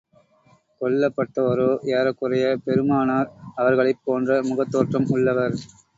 கொல்லப்பட்டவரோ, ஏறக்குறைய பெருமானார் அவர்களைப் போன்ற முகத் தோற்றம் உள்ளவர்.